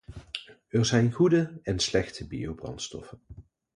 Er zijn goede en slechte biobrandstoffen.